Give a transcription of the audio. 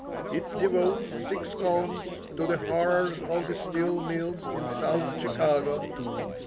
It devotes six columns to the horrors of the steel mills in South Chicago.